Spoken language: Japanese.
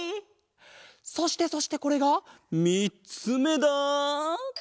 そしてそしてこれがみっつめだ！